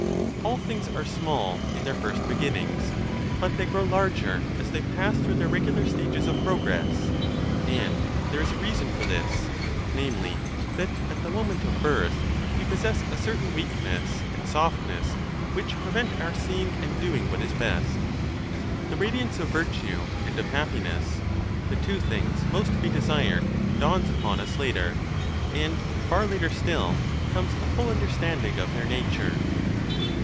All things are small in their first beginnings, but they grow larger as they pass through their regular stages of progress. And there is a reason for this, namely that at the moment of birth we possess a certain weakness and softness which prevent our seeing and doing what is best. The radiance of virtueand of happiness, the two thhigs most to be desired, dawns upon us later, and far later still comes a full understanding of their nature.